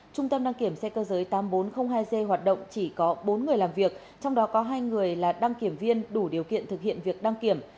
trung tâm đăng kiểm xe cơ giới tám nghìn bốn trăm linh hai g hoạt động chỉ có bốn người làm việc trong đó có hai người là đăng kiểm viên đủ điều kiện thực hiện việc đăng kiểm